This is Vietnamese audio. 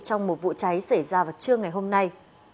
trong một vụ cháy xảy ra vào trưa ngày hôm nay